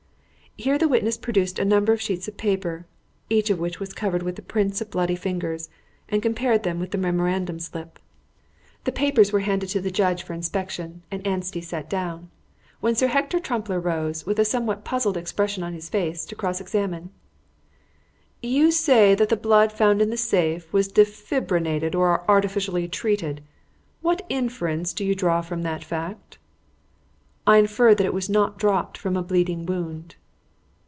Here the witness produced a number of sheets of paper, each of which was covered with the prints of bloody fingers, and compared them with the memorandum slip. The papers were handed to the judge for his inspection, and Anstey sat down, when Sir Hector Trumpler rose, with a somewhat puzzled expression on his face, to cross examine. "You say that the blood found in the safe was defibrinated or artificially treated. What inference do you draw from that fact?" "I infer that it was not dropped from a bleeding wound."